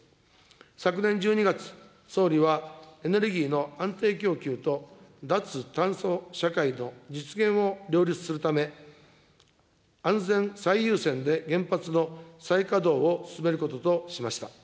昨年１２月、総理はエネルギーの安定供給と脱炭素社会の実現を両立するため、安全最優先で原発の再稼働を進めることとしました。